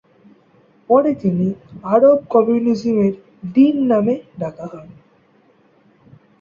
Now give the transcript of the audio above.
পরে তিনি "Arab communism এর ডিন নামে ডাকা হন।"